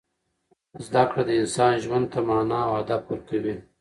زده کړه د انسان ژوند ته مانا او هدف ورکوي.